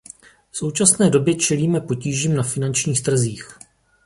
V současné době čelíme potížím na finančních trzích.